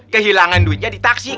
kehilangan duitnya di taksi